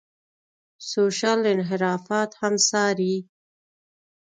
سوشل انحرافات هم څاري.